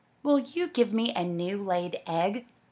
Will you give me a new laid egg?''